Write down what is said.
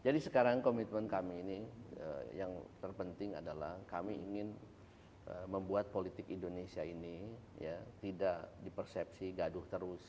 jadi sekarang komitmen kami ini yang terpenting adalah kami ingin membuat politik indonesia ini tidak dipersepsi gaduh terus